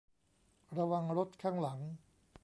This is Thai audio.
ระวังรถข้างหลัง !